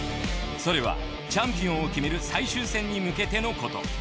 それはチャンピオンを決める最終戦に向けてのこと。